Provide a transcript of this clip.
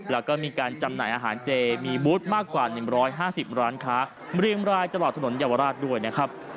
แล้วก็มีการจำหน่ายอาหารเจมีบูธมากกว่า๑๕๐ร้านค้าเรียงรายตลอดถนนเยาวราชด้วยนะครับ